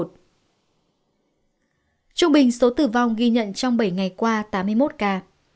trung bình số tử vong ghi nhận trong bảy ngày qua tám mươi một ca